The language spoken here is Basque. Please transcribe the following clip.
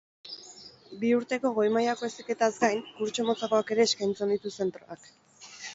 Bi urteko goi mailako heziketaz gain, kurtso motzagoak ere eskaintzen ditu zentroak.